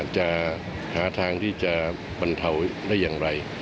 จะหาทางที่จะบรรเทาได้อย่างไร